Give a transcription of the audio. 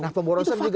nah pemborosan juga